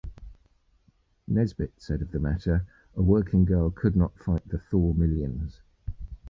Nesbit said of the matter, A working girl could not fight the Thaw millions.